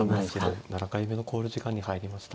７回目の考慮時間に入りました。